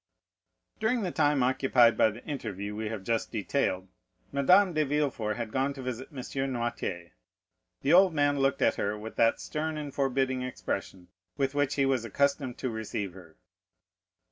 During the time occupied by the interview we have just detailed, Madame de Villefort had gone to visit M. Noirtier. The old man looked at her with that stern and forbidding expression with which he was accustomed to receive her.